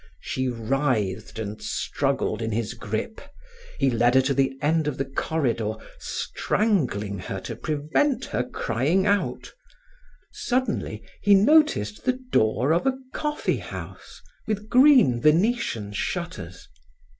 She writhed and struggled in his grip; he led her to the end of the corridor, strangling her to prevent her from crying out. Suddenly he noticed the door of a coffee house, with green Venetian shutters.